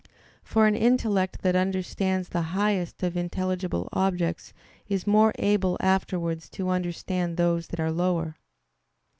For an intellect that understands the highest of intelligible objects is more able afterwards to understand those that are lower.